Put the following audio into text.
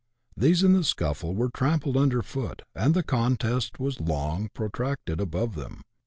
These in the scuffle were trampled under foot, and the contest was long protracted above them.